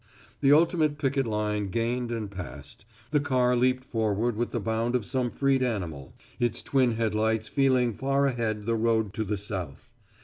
The ultimate picket line gained and passed, the car leaped forward with the bound of some freed animal, its twin headlights feeling far ahead the road to the south.